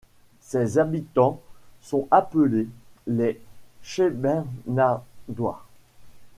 Ses habitants sont appelés les Scheibenhardois.